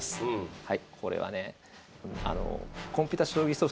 はい。